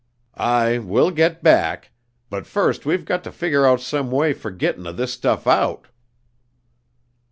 "Aye, we'll get back, but first we've got ter figger out some way for gittin' of this stuff out."